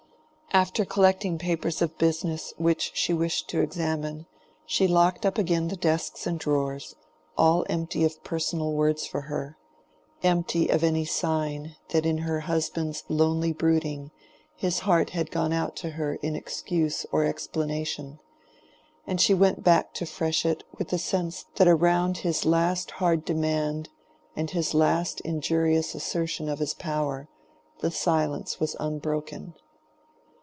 After collecting papers of business which she wished to examine, she locked up again the desks and drawers—all empty of personal words for her—empty of any sign that in her husband's lonely brooding his heart had gone out to her in excuse or explanation; and she went back to Freshitt with the sense that around his last hard demand and his last injurious assertion of his power, the silence was unbroken.